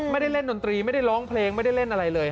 ไม่ได้เล่นดนตรีไม่ได้ร้องเพลงไม่ได้เล่นอะไรเลย